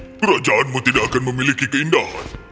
tapi kerajaanmu tidak akan memiliki keindahan